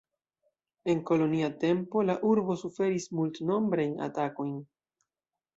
En kolonia tempo la urbo suferis multnombrajn atakojn.